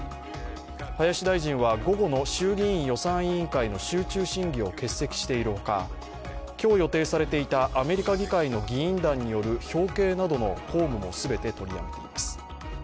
林大臣は午後の衆議院予算委員会の集中審議を欠席しているほか今日予定されていたアメリカ議会の議員団による表敬などの公務も全て取りやめています。